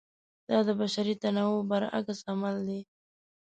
دا د بشري تنوع برعکس عمل دی.